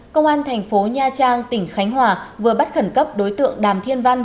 công an thành phố nha trang tỉnh khánh hòa vừa bắt khẩn cấp đối tượng đàm thiên văn